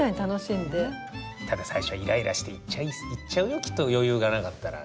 ただ最初はイライラして言っちゃうよきっと余裕がなかったら。